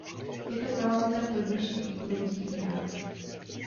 Je to kalamita pro dnešní i budoucí Irák.